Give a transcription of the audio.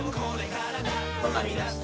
わかりました。